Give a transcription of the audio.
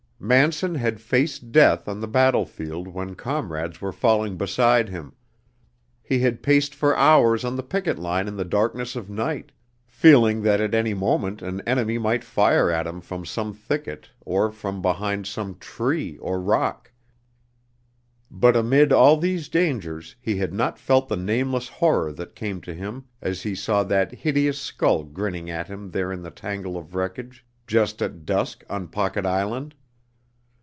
Manson had faced death on the battlefield when comrades were falling beside him; he had paced for hours on the picket line in the darkness of night, feeling that at any moment an enemy might fire at him from some thicket or from behind some tree or rock; but amid all these dangers he had not felt the nameless horror that came to him as he saw that hideous skull grinning at him there in the tangle of wreckage just at dusk on Pocket Island.